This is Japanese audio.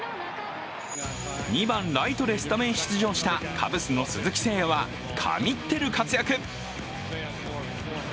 ２番・ライトでスタメン出場したカブスの鈴木誠也は神ってる活躍。